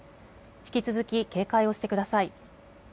引き続き警戒をしてください。